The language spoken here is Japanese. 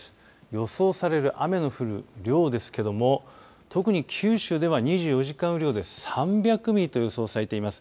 予想される雨の降る量ですけれど特に九州では２４時間雨量で３００ミリと予想されています。